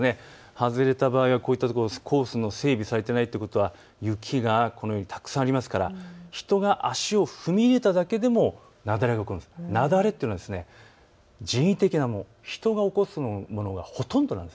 外れた場合はコースの整備がされていないということは雪がたくさんありますから、人が足を踏み入れただけでも雪崩が起こる、雪崩というのは人為的なもの、人が起こすものがほとんどなんです。